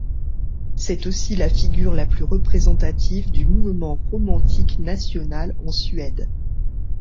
C'est aussi la figure la plus représentative du mouvement romantique national en Suède.